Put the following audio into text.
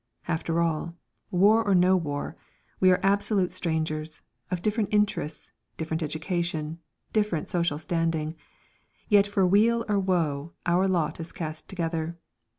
After all war or no war we are absolute strangers, of different interests, different education, different social standing. Yet for weal or woe our lot is cast together.